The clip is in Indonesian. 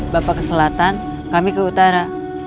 bapak ke selatan kami ke utara